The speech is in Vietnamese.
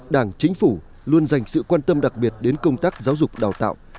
đảng chính phủ luôn dành sự quan tâm đặc biệt đến công tác giáo dục đào tạo